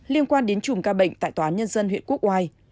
liên quan đến chùm ca bệnh tại tòa án nhân dân huyện quốc oai